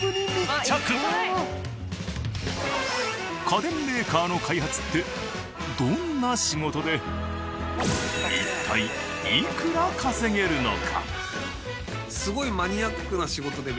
家電メーカーの開発ってどんな仕事で一体いくら稼げるのか？